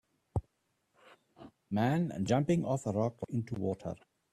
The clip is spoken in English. Man jumping off a rock into water.